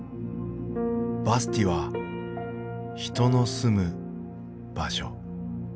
バスティは人の住む場所。